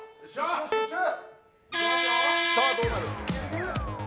さあ、どうなる。